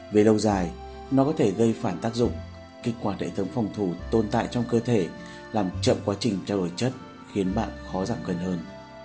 về lâu dài nó có thể gây phản tác dụng kích hoạt đại thống phòng thủ tồn tại trong cơ thể làm chậm quá trình trao đổi chất khiến bạn khó giảm cân hơn